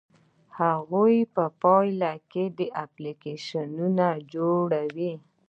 هغوی په پایله کې اپلیکیشنونه جوړوي.